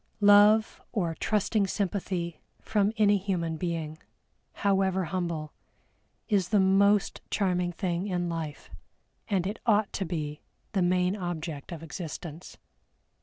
Love or trusting sympathy from any human being, however humble, is the most charming thing in life, and it ought to be the main object of existence.